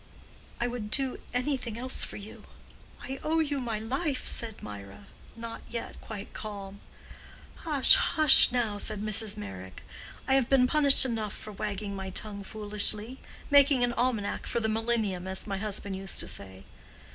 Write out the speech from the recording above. "I would do anything else for you. I owe you my life," said Mirah, not yet quite calm. "Hush, hush, now," said Mrs. Meyrick. "I have been punished enough for wagging my tongue foolishly—making an almanac for the Millennium, as my husband used to say."